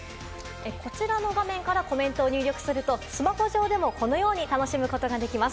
こちらの画面からコメントを入力すると、スマホ上でもこのように楽しむ事ができます。